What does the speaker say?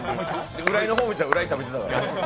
浦井の方みたら浦井も食べてたから。